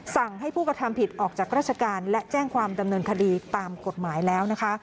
สั่งให้ผู้กระทำผิดออกจากราชการและแจ้งความดำเนินคดีตามกฎหมายแล้วนะคะ